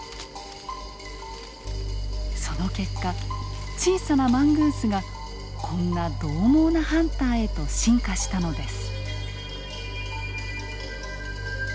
その結果小さなマングースがこんなどう猛なハンターへと進化したのです。